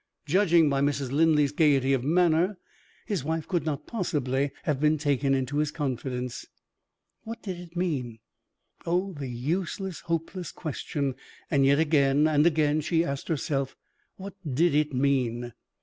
Judging by Mrs. Linley's gayety of manner, his wife could not possibly have been taken into his confidence. What did it mean? Oh, the useless, hopeless question! And yet, again and again she asked herself: what did it mean?